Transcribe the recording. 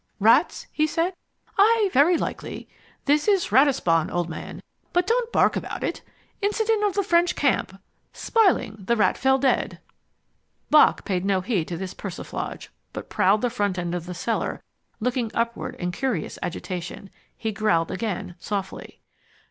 "Rats?" he said. "Aye, very likely! This is Ratisbon, old man, but don't bark about it. Incident of the French Camp: 'Smiling, the rat fell dead.'" Bock paid no heed to this persiflage, but prowled the front end of the cellar, looking upward in curious agitation. He growled again, softly.